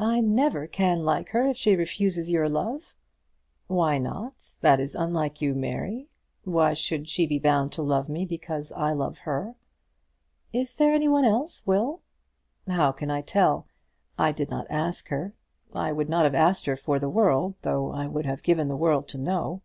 "I never can like her if she refuses your love." "Why not? That is unlike you, Mary. Why should she be bound to love me because I love her?" "Is there any one else, Will?" "How can I tell? I did not ask her. I would not have asked her for the world, though I would have given the world to know."